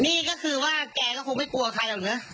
อ๋อนี่ก็คือว่าแกก็คงไม่ปล่วงใครหรือยัง